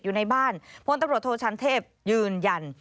อยู่ในบ้านพลตำรวจโทชันเทพยืนยัน